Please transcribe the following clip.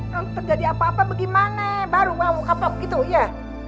kalau terjadi apa apa bagaimana baru mau kapok gitu ya